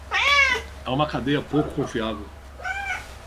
É uma cadeia pouco confiável